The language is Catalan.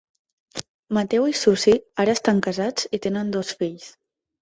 Mateu i Susi ara estan casats i tenen dos fills.